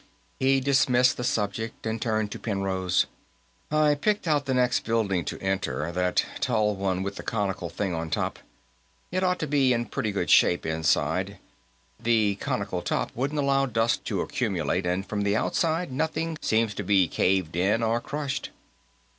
He dismissed the subject and turned to Penrose. "I picked out the next building to enter; that tall one with the conical thing on top. It ought to be in pretty good shape inside; the conical top wouldn't allow dust to accumulate, and from the outside nothing seems to be caved in or crushed.